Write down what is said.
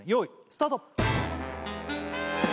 スタート